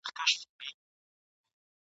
له ناکامه د خپل کور پر لور روان سو ..